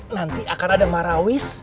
nanti akan ada marah wis